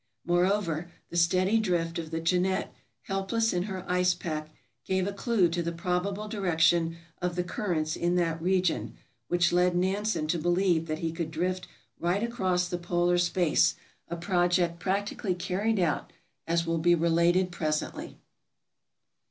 Moreover, the steady drift of the "Jeannette," helpless in her ice pack, gave a clue to the probable direction of the currents in that region, which led Nansen to believe that he could drift right across the polar space — a project practically carried out, as will be related presently.